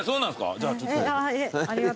じゃあちょっと。